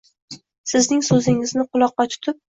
Sizning so’zingizni quloqqa tutib